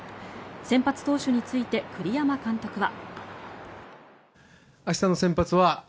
先発投手について栗山監督は。